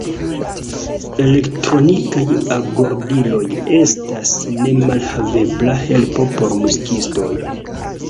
Elektronikaj agordiloj estas nemalhavebla helpo por muzikistoj.